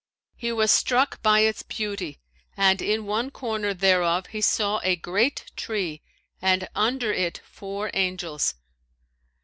He was struck by its beauty and in one corner thereof he saw a great tree and under it four Angels.